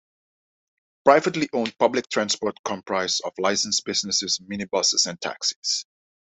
Privately owned public transport comprise of licenced buses, minibuses and taxis.